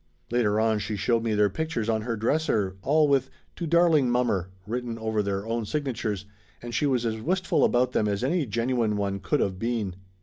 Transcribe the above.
Later on she showed me their pictures on her dresser, all with "To darling mom mer" written over their own signatures, and she was as wistful about them as any genuine one could of been.